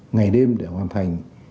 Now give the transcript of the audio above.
ngày đêm để hoàn thành